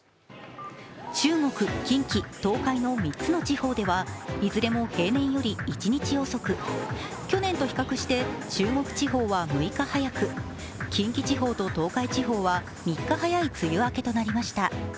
中国・近畿・東海の３つの地方ではいずれも平年より１日遅く、去年と比較して中国地方は６日早く近畿地方と東海地方は３日早い梅雨明けとなりました。